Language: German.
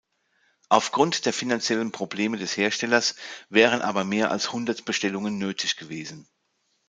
Aufgrund der finanziellen Probleme des Herstellers wären aber mehr als hundert Bestellungen nötig gewesen.